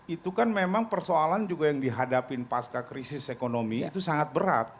itu kan memang persoalan juga yang dihadapin pasca krisis ekonomi itu sangat berat